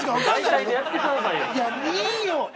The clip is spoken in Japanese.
◆いや、いいよ。